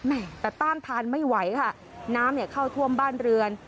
แต่ต้านทานไม่ไหวค่ะน้ำเนี่ยเข้าท่วมบ้านเรือน